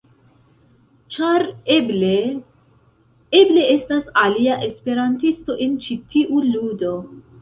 Ĉar eble... eble estas alia esperantisto en ĉi tiu ludo.